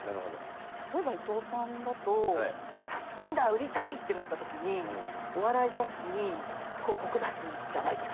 例えば伊藤さんだと「サスペンダー売りたい」ってなった時にお笑い雑誌に広告出すじゃないですか。